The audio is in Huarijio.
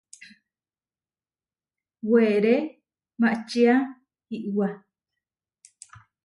Weré maʼčía iʼwá.